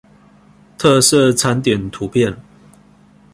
特色餐點圖片